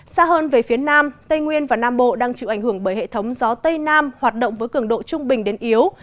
xa hơn về phía nam tây nguyên và nam bộ đang chịu ảnh hưởng bởi hệ thống gió tây nam hoạt động với cường độ trung bình đến yếu